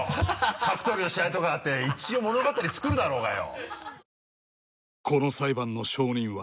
格闘技の試合とかだって一応物語作るだろうがよ！